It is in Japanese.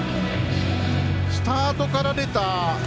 スタートから出た。